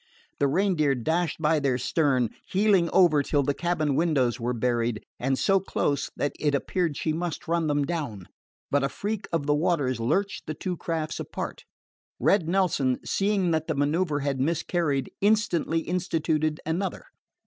The Reindeer dashed by their stern, heeling over till the cabin windows were buried, and so close that it appeared she must run them down. But a freak of the waters lurched the two crafts apart. Red Nelson, seeing that the manoeuver had miscarried, instantly instituted another.